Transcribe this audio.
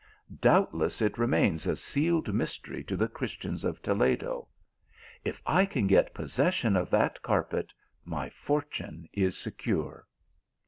Doubtless it remains a sealed mystery to the Chris tians of Toledo. If I can get possession of that carpet, my fortune is secure."